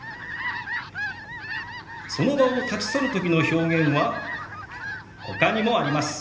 その場を立ち去るときの表現はほかにもあります。